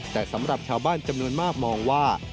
แต่สำหรับชาวบ้านจำนวนมากมองว่า